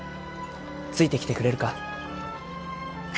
ついてきてくれるか。